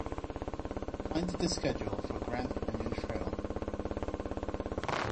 Find the schedule for Grand Canyon Trail.